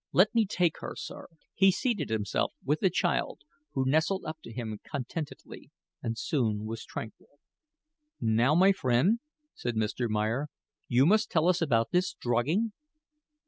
Let me take her, sir." He seated himself, with the child, who nestled up to him contentedly and soon was tranquil. "Now, my friend," said Mr. Meyer, "you must tell us about this drugging."